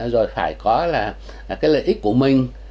rồi phải có là cái lợi ích của mình